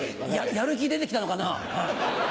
やる気出てきたのかな。